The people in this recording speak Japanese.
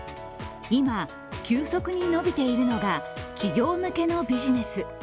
今、急速に伸びているのが企業向けのビジネス。